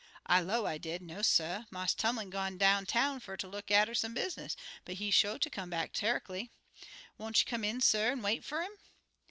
"I low, I did, 'No, suh; Marse Tumlin gone down town fer ter look atter some business, but he sho ter come back terreckly. Won't you come in, suh, an' wait fer 'im?'